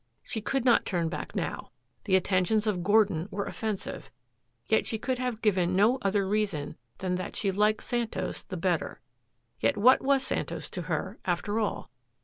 She could not turn back now. The attentions of Gordon were offensive. Yet she could have given no other reason than that she liked Santos the better. Yet what was Santos to her, after all?